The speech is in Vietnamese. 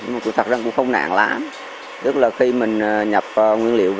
một cộng đồng hơn ba người